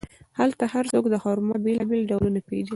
هلته هر څوک د خرما بیلابیل ډولونه پېژني.